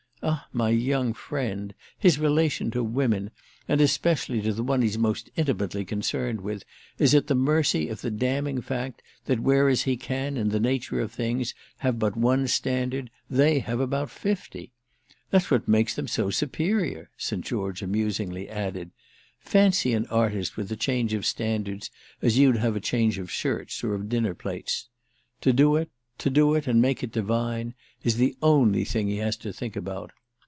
Ah my young friend, his relation to women, and especially to the one he's most intimately concerned with, is at the mercy of the damning fact that whereas he can in the nature of things have but one standard, they have about fifty. That's what makes them so superior," St. George amusingly added. "Fancy an artist with a change of standards as you'd have a change of shirts or of dinner plates. To do it—to do it and make it divine—is the only thing he has to think about.